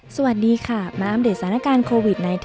สวัสดีค่ะมาอัปเดตสถานการณ์โควิด๑๙